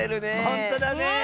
ほんとだね。